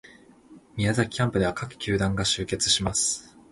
宮崎キャンプでは各球団が集結します